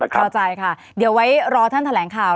เข้าใจค่ะเดี๋ยวไว้รอท่านแถลงข่าว